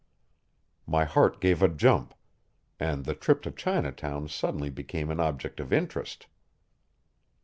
My heart gave a jump, and the trip to Chinatown suddenly became an object of interest.